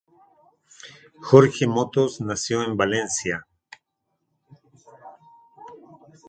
Jorge Motos nació en Valencia.